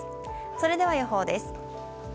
それでは予報です。